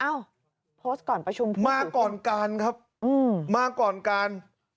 เอ้ามาก่อนการครับมาก่อนการ